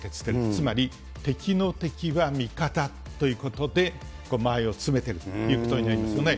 つまり、敵の敵は味方ということで、周りを詰めているということになりますよね。